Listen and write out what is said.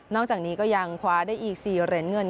จากนี้ก็ยังคว้าได้อีก๔เหรียญเงิน